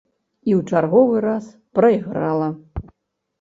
І ў чарговы раз прайграла.